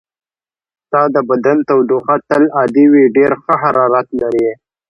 ستا د بدن تودوخه تل عادي وي، ډېر ښه حرارت لرې.